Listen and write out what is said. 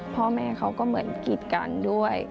พ่อแม่เขาก็เหมือนกีดกันด้วย